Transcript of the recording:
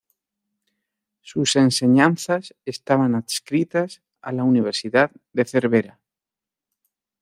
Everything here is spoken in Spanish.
Sus enseñanzas estaban adscritas a la Universidad de Cervera.